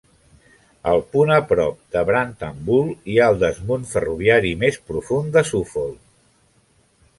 Al punt a prop de Brantham Bull hi ha el desmunt ferroviari més profund de Suffolk.